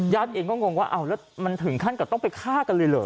ญาติเองก็งงว่ามันถึงขั้นกว่าต้องไปฆ่ากันเลยเหรอ